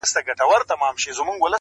چي د ژوند پیکه رنګونه زرغونه سي.